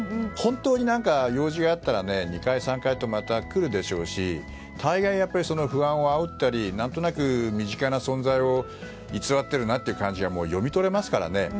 本当に用事があったら２回３回とまた来るでしょうし大概、やっぱり不安をあおったり何となく身近な存在を偽っているなという感じが読み取れますからね。